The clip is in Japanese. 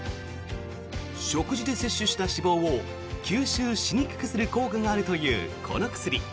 食事で摂取した脂肪を吸収しにくくなる効果があるというこの薬。